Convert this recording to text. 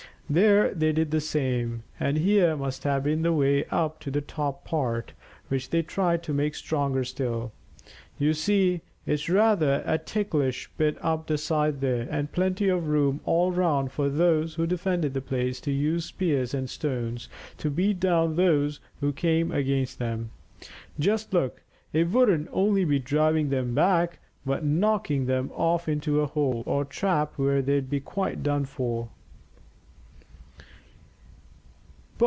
There they did the same, and here must have been the way up to the top part, which they tried to make stronger still. You see, it's rather a ticklish bit up the side there, and plenty of room all round for those who defended the place to use spears and stones to beat down those who came against them. Just look, it wouldn't only be driving them back, but knocking them off into a hole or trap where they'd be quite done for."